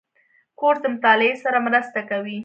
کورس د مطالعې سره مرسته کوي.